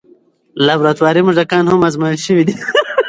لابراتواري موږکان هم ازمویل شوي دي.